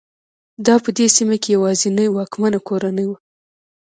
دا په دې سیمه کې یوازینۍ واکمنه کورنۍ وه.